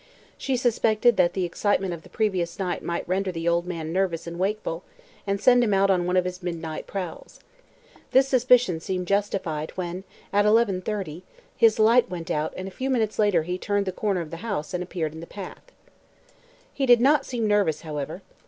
She suspected that the excitement of the previous night might render the old man nervous and wakeful and send him out on one of his midnight prowls. This suspicion seemed justified when, at eleven thirty, his light went out and a few minutes later he turned the corner of the house and appeared in the path. He did not seem nervous, however.